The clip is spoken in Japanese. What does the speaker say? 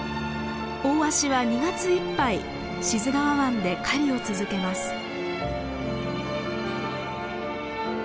オオワシは２月いっぱい志津川湾で狩りを続けます。